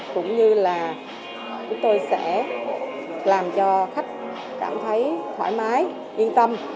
cũng như là chúng tôi sẽ làm cho khách cảm thấy thoải mái yên tâm